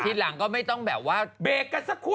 ทีหลังก็ไม่ต้องแบบว่าเบรกกันสักครู่